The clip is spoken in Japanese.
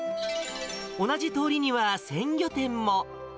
同じ通りには鮮魚店も。